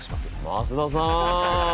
増田さん。